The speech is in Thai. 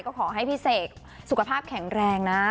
ก็ขอให้พี่เสกสุขภาพแข็งแรงนะ